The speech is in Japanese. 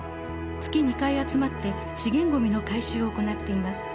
月２回集まって資源ごみの回収を行っています。